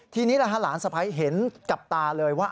ทีนี้หลานสะพ้ายเห็นกับตาเลยว่า